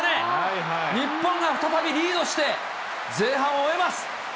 日本が再びリードして、前半を終えます。